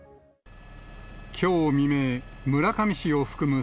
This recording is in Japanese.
きょう未明、村上市を含む